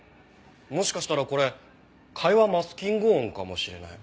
もしかしたらこれ会話マスキング音かもしれない。